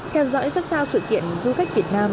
theo dõi sát sao sự kiện du khách việt nam